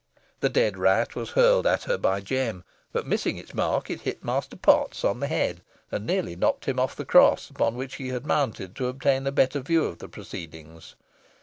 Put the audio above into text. The dead rat was hurled at her by Jem, but missing its mark, it hit Master Potts on the head, and nearly knocked him off the cross, upon which he had mounted to obtain a better view of the proceedings.